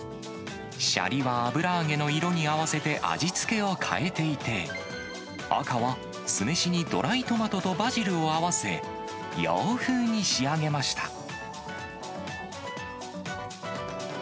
しゃりは油揚げの色に合わせて味付けを変えていて、赤は、酢飯にドライトマトとバジルを合わせ、洋風に仕上げました。